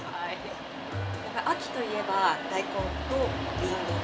やっぱり秋といえば大根とりんごとナッツ。